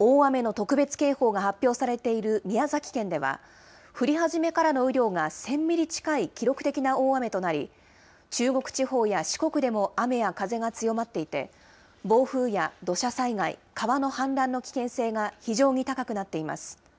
大雨の特別警報が発表されている宮崎県では、降り始めからの雨量が１０００ミリ近い記録的な大雨となり、中国地方や四国でも雨や風が強まっていて、暴風や土砂災害、川の氾濫の危険性が非常に高くなっています。